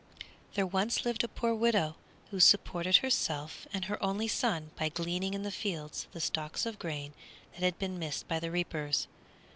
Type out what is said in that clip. THERE once lived a poor widow who supported herself and her only son by gleaning in the fields the stalks of grain that had been missed by the reapers.